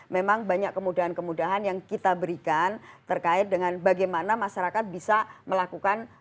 memang banyak kemudahan kemudahan yang kita berikan terkait dengan bagaimana masyarakat bisa melakukan